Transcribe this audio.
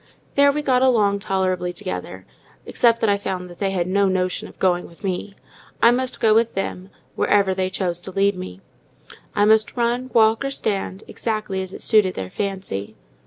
There we got along tolerably together, except that I found they had no notion of going with me: I must go with them, wherever they chose to lead me. I must run, walk, or stand, exactly as it suited their fancy.